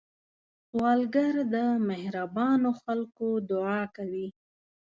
سوالګر د مهربانو خلکو دعا کوي